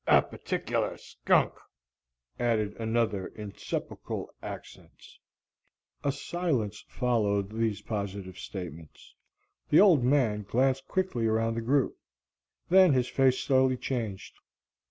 "A particular skunk," added another in sepulchral accents. A silence followed these positive statements. The Old Man glanced quickly around the group. Then his face slowly changed.